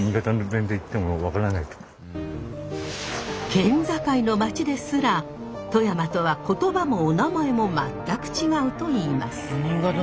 県境の町ですら富山とは言葉もおなまえも全く違うといいます。